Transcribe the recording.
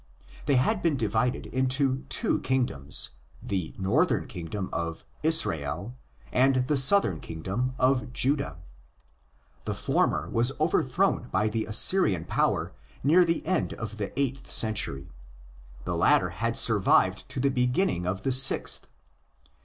they had been divided into two kingdoms—the northern kingdom of '"'Israel" and the southern kingdom of '"'Judah." The former was overthrown by the Assyrian power near the end of the eighth 8 THE ORIGINS OF CHRISTIANITY century; the latter had survived to the beginning of the sixth.